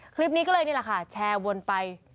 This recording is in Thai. คลิปนี้ก็เลยนี่แหละค่ะแชร์วนไป